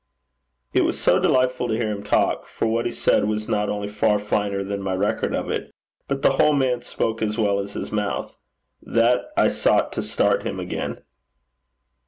It was so delightful to hear him talk for what he said was not only far finer than my record of it, but the whole man spoke as well as his mouth that I sought to start him again.